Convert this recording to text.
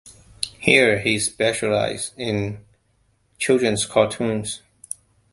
Here he specialized in children's cartoons.